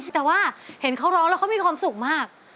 แต่ว่าเห็นเขาร้องแล้วเขามีความสุขมาก